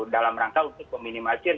dalam rangka untuk meminimasir